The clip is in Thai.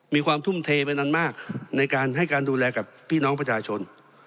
มีความทุ่มเทไปนานมากในการให้การดูแลกับพี่น้องประชาชน